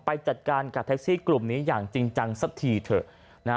ไปจัดการกับแท็กซี่กลุ่มนี้อย่างจริงจังสักทีเถอะนะฮะ